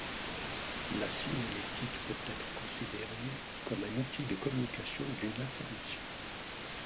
La signalétique peut être considéré comme un outil de communication d'une information.